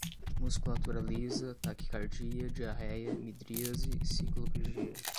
musculatura lisa, taquicardia, diarreia, midríase, ciclopegia